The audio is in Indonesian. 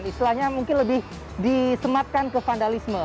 istilahnya mungkin lebih disematkan ke vandalisme